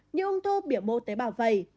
như ung thư biểu mô tế bào vầy